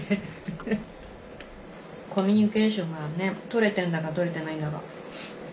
コミュニケーションがねとれてんだかとれてないんだか。